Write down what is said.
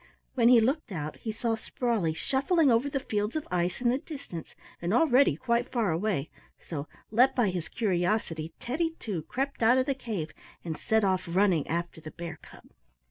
When he looked out he saw Sprawley shuffling over the fields of ice in the distance, and already quite far away, so, led by his curiosity, Teddy, too, crept out of the cave and set off running after the bear cub.